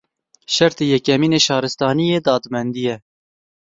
Şertê yekemîn ê şaristaniyê, dadmendî ye.